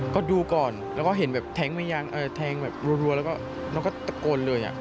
ก็ดูก่อนแล้วก็เห็นแบบแทงแล้วก็ตะโกนเลย